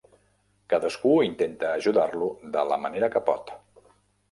Cadascú intenta ajudar-lo de la manera que pot.